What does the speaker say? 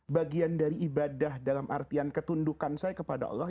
bagian dari ibadah dalam artian ketundukan saya kepada allah